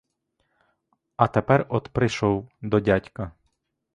А тепер от прийшов до дядька.